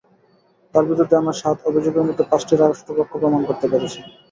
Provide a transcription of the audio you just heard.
তাঁর বিরুদ্ধে আনা সাত অভিযোগের মধ্যে পাঁচটি রাষ্ট্রপক্ষ প্রমাণ করতে পেরেছে।